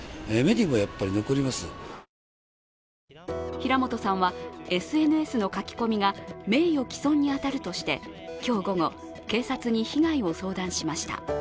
平本さんはＳＮＳの書き込みが名誉教授に当たるとして今日午後、警察に被害を相談しました。